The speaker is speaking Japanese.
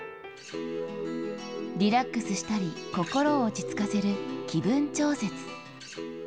リラックスしたり、心を落ち着かせる気分調節。